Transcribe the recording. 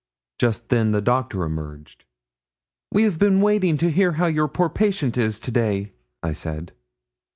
Just then the Doctor emerged. 'We have been waiting to hear how your poor patient is to day?' I said.